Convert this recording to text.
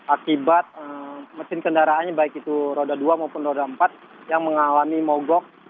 akibat mesin kendaraannya baik itu roda dua maupun roda empat yang mengalami mogok